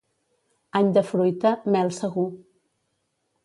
Any de fruita, mel segur.